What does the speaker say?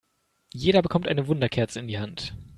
Jeder bekommt eine Wunderkerze in die Hand.